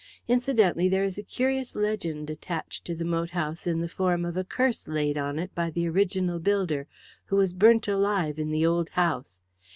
Incidentally, there is a curious legend attached to the moat house in the form of a curse laid on it by the original builder, who was burnt alive in the old house.